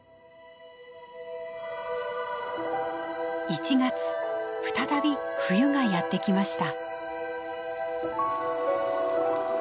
１月再び冬がやって来ました。